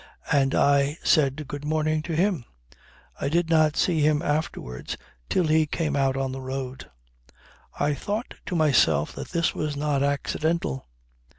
And I said good morning to him. I did not see him afterwards till he came out on the road." I thought to myself that this was not accidental.